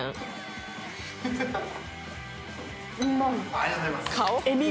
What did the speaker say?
ありがとうございます。